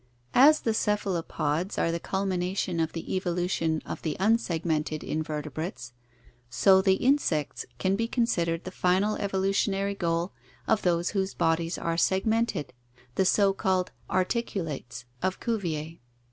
— As the cephalopods are the culmination oi the evolution of the unsegmented invertebrates, so the insects can be considered the final evolutionary goal of those whose bodies are segmented, the so called "Articulates" of Cuvier.